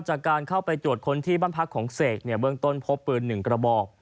จากการเข้าไปตรวจค้นที่บ้านพักของเสกเนี่ยเบื้องต้นพบปืน๑กระบอก